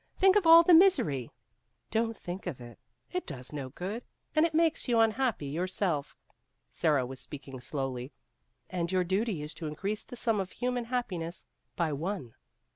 Think of all the misery !" "Don't think of it. It does no good, and it makes you unhappy yourself " Sara was speaking slowly " and your duty is to increase the sum of human happiness by one."